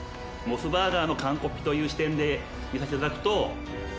モスバーガーのカンコピという視点で見させていただくと。